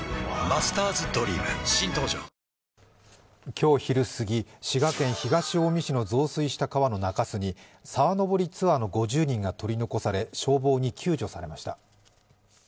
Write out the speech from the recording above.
今日昼すぎ、滋賀県東近江市の増水した川の中州に沢登りツアーの５０人が取り残され消防に救助されました。